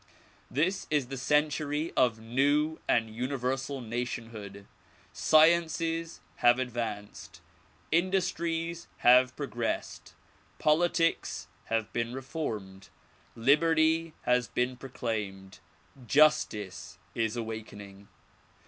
This is the century of new and universal nationhood. Sciences have advanced, indus tries have progressed, politics have been reformed, liberty has been proclaimed, justice is awakening.